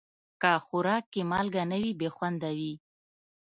که خوراک کې مالګه نه وي، بې خوند وي.